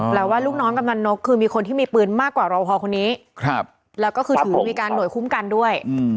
เหลืองานกำนักคือมีคนที่มีปืนมากกว่าโรงพยาบาลนี้และก็ถือมีการหน่วยคุ้มกันด้วย